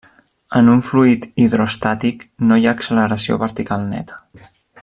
En un fluid hidroestàtic no hi ha acceleració vertical neta.